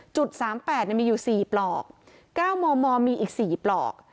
๓๘มีอยู่๔ปลอก๙มมมีอีก๔ปลอก